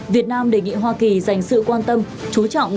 việt nam đề nghị hoa kỳ dành sự quan tâm chú trọng